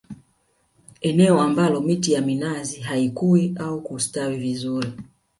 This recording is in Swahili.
Eneo ambalo miti ya minazi haikui au kustawi vizuri